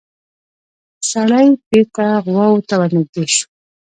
سړی بېرته غواوو ته ورنږدې شو.